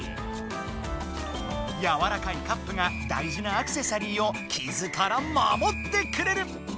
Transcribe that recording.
やわらかいカップが大じなアクセサリーをきずからまもってくれる！